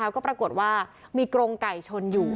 ก็ปรากฏว่ามีกรงไก่ชนอยู่